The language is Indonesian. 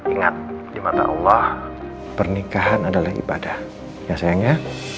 ingat di mata allah pernikahan adalah ibadah ya sayangnya